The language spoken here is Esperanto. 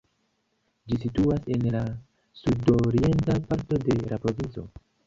Ĝi situas en la sudorienta parto de la provinco.